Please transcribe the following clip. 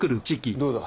どうだ？